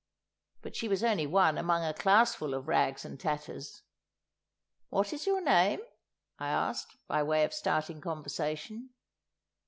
But she was only one among a classful of rags and tatters. "What is your name?" I asked, by way of starting conversation.